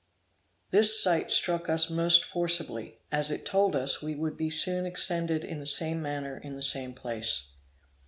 This sight struck us most forcibly, as it told us we would be soon extended in the same manner in the same place.